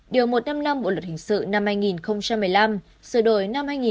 điều một trăm năm mươi năm bộ luật hình sự năm hai nghìn một mươi năm